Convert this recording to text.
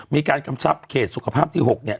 กำชับเขตสุขภาพที่๖เนี่ย